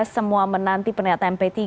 semua menanti pernyataan p tiga